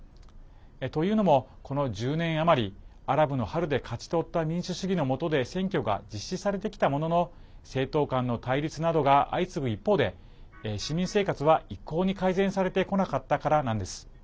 というのも、この１０年あまりアラブの春で勝ち取った民主主義のもとで選挙が実施されてきたものの政党間の対立などが相次ぐ一方で市民生活は一向に改善されてこなかったからなんです。